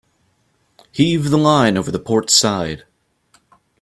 Heave the line over the port side.